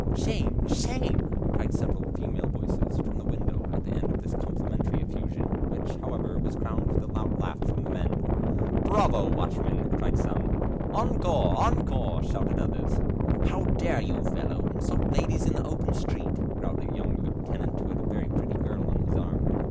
"Shame! shame!" cried several female voices from the window at the end of this complimentary effusion, which, however, was crowned with a loud laugh from the men. "Bravo, watchman!" cried some; "Encore! encore!" shouted others. "How dare you, fellow, insult ladies in the open street?" growled a young lieutenant, who had a very pretty girl on his arm.